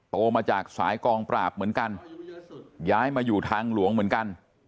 โตมาจากสายกองปราบเหมือนกันย้ายมาอยู่ทางหลวงเหมือนกัน